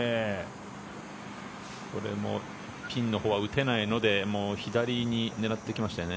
これもピンのほうは打てないので左に狙っていきましたよね。